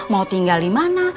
mau tinggal di mana